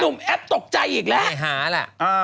แอปตกใจอีกแล้วไม่หาล่ะ